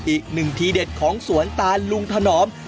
อีกหนึ่งทีเด็ดของสวนตานลุงถนอม